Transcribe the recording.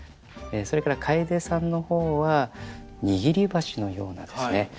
それからかえでさんの方は「にぎり箸」のようなですね